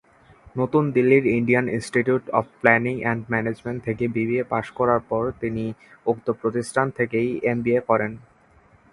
নতুন দিল্লির Indian Institute of Planning and Management থেকে বিবিএ পাস করার পর তিনি উক্ত প্রতিষ্ঠান থেকেই এমবিএ করেন।